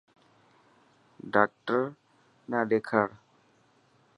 ڊاڪٽر نا ڏيکاڙ.